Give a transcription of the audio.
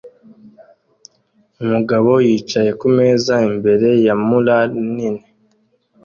Umugabo yicaye kumeza imbere ya mural nini